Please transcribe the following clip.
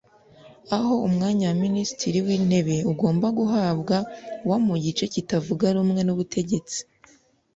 aho umwanya wa Minisitiri w’Intebe ugomba guhabwa uwo mu gice kitavuga rumwe n’ubutegetsi